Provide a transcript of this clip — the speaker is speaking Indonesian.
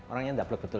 orangnya endablek betul